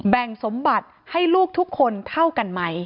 แบ่งสมบัติให้ลูกทุกคนเท่ากันไหม